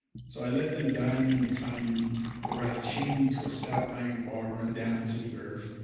So I let them dye me and tie me, or rather chain me to a stout iron bar run down into the earth.